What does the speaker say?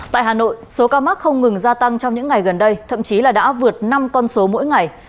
tại hà nội số ca mắc không ngừng gia tăng trong những ngày gần đây thậm chí là đã vượt năm con số mỗi ngày